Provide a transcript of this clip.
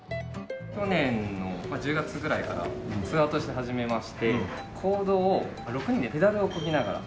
去年の１０月ぐらいからツアーとして始めまして公道を６人でペダルをこぎながら。